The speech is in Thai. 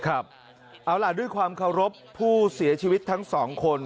เอาล่ะด้วยความเคารพผู้เสียชีวิตทั้งสองคน